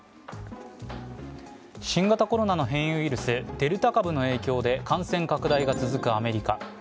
新型コロナの変異ウイルス、デルタ株の影響で感染拡大が続くアメリカ。